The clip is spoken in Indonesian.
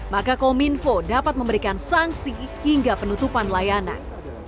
maka kominfo dapat memberikan sanksi hingga penutupan layanan